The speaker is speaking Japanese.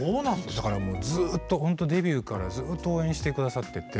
だからもうずっとほんとデビューからずっと応援して下さってて。